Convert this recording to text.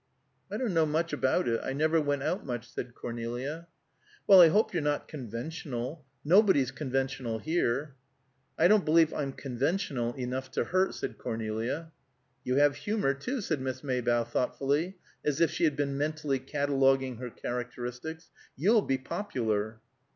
"I don't know much about it. I never went out, much," said Cornelia. "Well, I hope you're not conventional! Nobody's conventional here." "I don't believe I'm conventional enough to hurt," said Cornelia. "You have humor, too," said Miss Maybough, thoughtfully, as if she had been mentally cataloguing her characteristics. "You'll be popular."